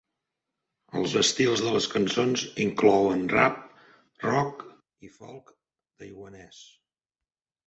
Els estils de les cançons inclouen rap, rock i folk taiwanès.